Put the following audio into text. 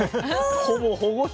ほぼ保護色。